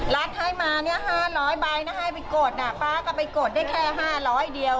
รัฐให้มาเนี่ย๕๐๐ใบนะให้ไปกดน่ะป๊าก็ไปกดได้แค่๕๐๐เดียว